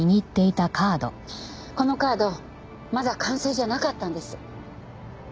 このカードまだ完成じゃなかったんです。